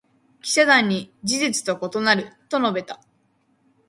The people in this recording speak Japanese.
記者団に「事実と異なる」と述べた。